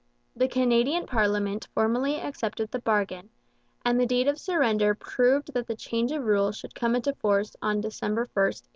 The Canadian parliament formally accepted the bargain, and the deed of surrender provided that the change of rule should come into force on December 1, 1869.